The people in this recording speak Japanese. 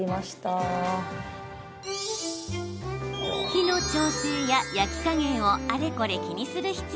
火の調節や焼き加減をあれこれ気にする必要なし。